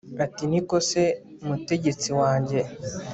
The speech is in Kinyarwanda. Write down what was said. ati ni ko se, mutegetsi wanjye